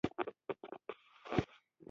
آیا د زړه عملیات کیږي؟